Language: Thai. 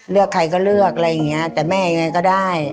เลือกใครก็เลือกอะไรอย่างเงี้ยแต่แม่ยังไงก็ได้